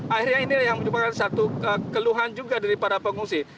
akhirnya ini yang menyebabkan satu keluhan juga daripada pengungsi